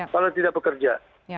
kalau tidak bekerja